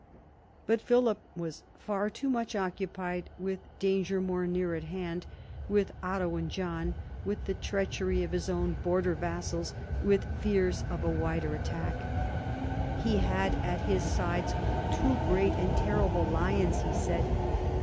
But Philip was far too much occupied with danger more near at hand — with Otto ard John, with the treachery of his own border vassals, with fears of a wider attack. He had at his sides two great and terrible lions, he said.